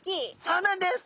そうなんです。